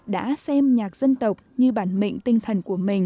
đã xem nhạc dân tộc như bản mệnh tinh thần của mình